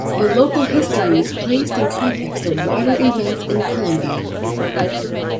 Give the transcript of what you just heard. The local history is placed in the context of wider events in Colombia.